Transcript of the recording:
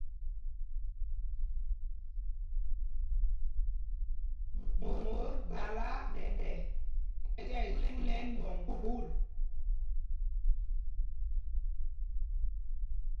Mot dala ɗɛ tí ɛsu lɛ ɛnwɔŋ khûl.